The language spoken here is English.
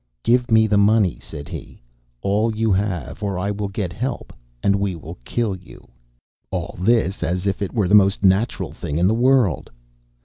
"Give me the money," said he; "all you have, or I will get help, and we will kill you!" All this as if it were the most natural thing in the world!